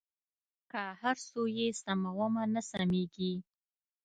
که هر څو یې سمومه نه سمېږي.